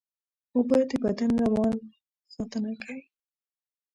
اوبه د بدن روان ساتنه کوي